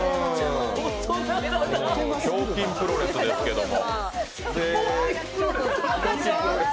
ひょうきんプロレスですけれども。